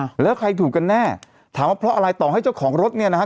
แล้วใครถูกกันแน่ถามว่าเพราะอะไรต่อให้เจ้าของรถเนี่ยนะฮะ